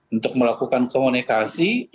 untuk melakukan komunikasi